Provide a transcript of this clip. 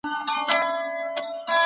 استازي کله په سفارتونو کي کار پیلوي؟